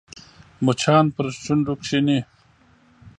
مچان پر شونډو کښېني